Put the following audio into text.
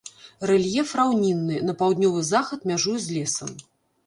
Рэльеф раўнінны, на паўднёвы захад мяжуе з лесам.